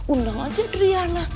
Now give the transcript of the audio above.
undang aja adriana